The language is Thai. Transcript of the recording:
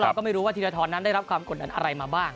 เราก็ไม่รู้ว่าธีรทรนั้นได้รับความกดดันอะไรมาบ้าง